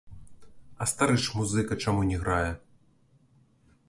А стары ж музыка чаму не грае?